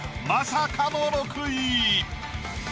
まさかの６位。